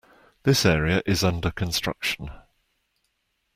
This area is under construction.